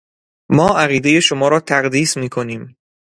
ما عقیدهُ شما را تقدیس میکنیم.